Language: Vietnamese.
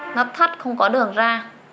nó thắt không có đường ra